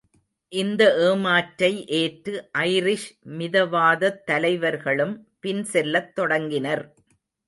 இந்த ஏமாற்றை ஏற்று ஐரிஷ் மிதவாதத்தலைவர்களும் பின்செல்லத் தொடங்கினர்.